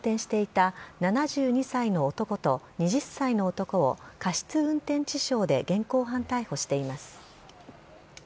警察は車を運転していた７２歳の男と２０歳の男を、過失運転致傷で現行犯逮捕しています。